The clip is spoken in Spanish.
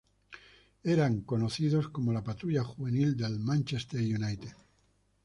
Eran conocidos como la "patrulla juvenil" del Manchester United.